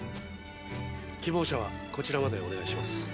希望者はこちらまでお願いします。